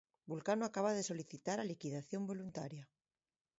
Vulcano acaba de solicitar a liquidación voluntaria.